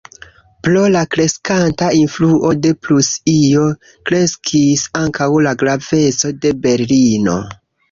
Pro la kreskanta influo de Prusio kreskis ankaŭ la graveco de Berlino.